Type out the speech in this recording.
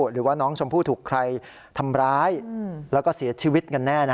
หรือว่าน้องชมพู่ถูกใครทำร้ายแล้วก็เสียชีวิตกันแน่